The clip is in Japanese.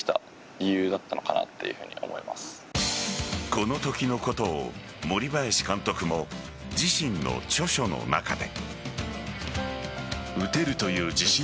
このときのことを森林監督も自身の著書の中で。